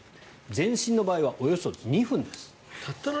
全身の場合はおよそ２分です。